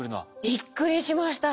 びっくりしました。